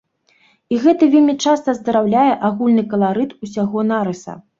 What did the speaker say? І гэта вельмі часта аздараўляе агульны каларыт усяго нарыса.